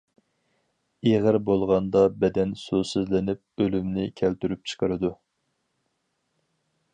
ئېغىر بولغاندا بەدەن سۇسىزلىنىپ ئۆلۈمنى كەلتۈرۈپ چىقىرىدۇ.